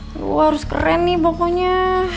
aduh harus keren nih pokoknya